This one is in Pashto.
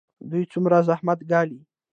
دوی څومره زحمت ګالي؟